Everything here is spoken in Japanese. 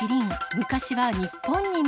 昔は日本にも。